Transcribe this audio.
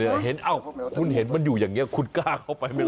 โอ้โฮคุณเห็นมันอยู่อย่างนี้แล้วคุณกล้าเข้าไปไม่รอ